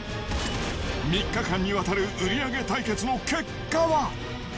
３日間にわたる売り上げ対決の結果は。